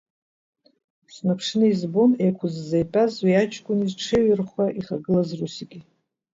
Снаԥшны избон еиқәызза итәаз уи аҷкәыни зҽеиҩырхәа ихагылаз русики.